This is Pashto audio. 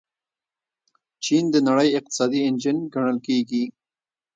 چین د نړۍ اقتصادي انجن ګڼل کیږي.